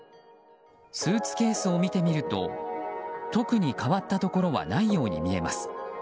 スーツケースを見てみると特に変わったところはないように見えます。